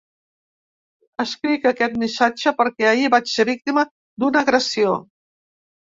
Escric aquest missatge perquè ahir vaig ser víctima d’una agressió.